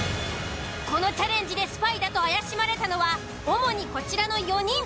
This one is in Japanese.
このチャレンジでスパイだと怪しまれたのは主にこちらの４人。